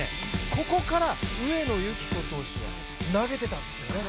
ここから、上野由岐子投手は投げていたんですよね。